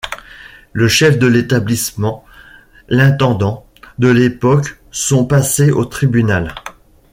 Le chef de l'établissement, l'intendant de l'époque sont passés au tribunal.